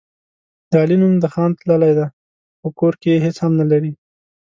د علي نوم د خان تللی دی، خو کور کې هېڅ هم نه لري.